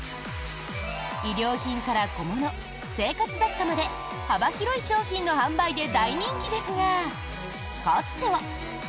衣料品から小物、生活雑貨まで幅広い商品の販売で大人気ですがかつては。